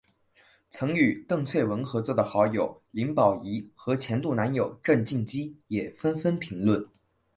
曾与邓萃雯合作的好友林保怡和前度男友郑敬基也纷纷评论。